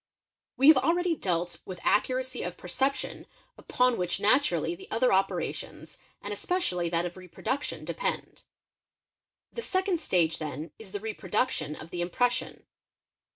We have already dealt with accuracy of perception, upon which naturally the other operations, and especially that of reproduction, — depend. |® The second stage then is the reproduction of the impression.